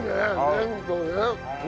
麺とね。